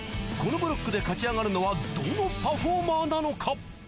このブロックで勝ち上がるのはどのパフォーマーなのか？